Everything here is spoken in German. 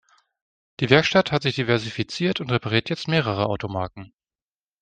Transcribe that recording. Die Werkstatt hat sich diversifiziert und repariert jetzt mehrere Automarken.